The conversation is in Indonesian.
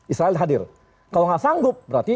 israel hadir kalau nggak sanggup berarti